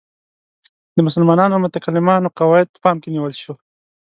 د مسلمانو متکلمانو قواعد په پام کې نیول شو.